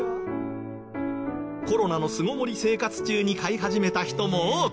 コロナの巣ごもり生活中に飼い始めた人も多く。